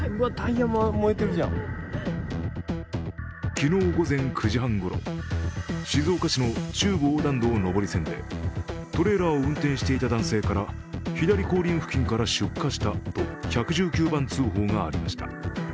昨日午前９時半ごろ、静岡市の中部横断道上り線でトレーラーを運転していた男性から左後輪付近から出火したと１１９番通報がありました。